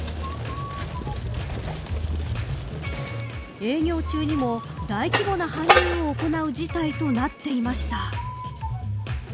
営業中にも大規模な搬入を行う事態となっていました。